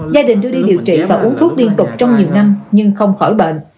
gia đình đưa đi điều trị và uống thuốc liên tục trong nhiều năm nhưng không khỏi bệnh